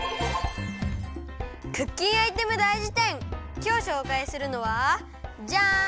きょうしょうかいするのはジャン！